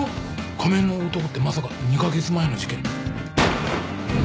仮面の男ってまさか２カ月前の事件の。